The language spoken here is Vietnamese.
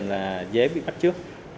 là dễ bị bắt trước